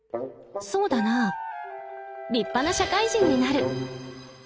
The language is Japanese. そうだなぁ立派な社会人になる。